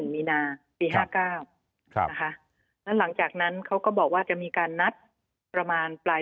มีนาปี๕๙นะคะแล้วหลังจากนั้นเขาก็บอกว่าจะมีการนัดประมาณปลาย